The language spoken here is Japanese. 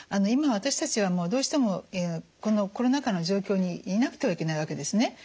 今私たちはどうしてもこのコロナ禍の状況にいなくてはいけないわけですね。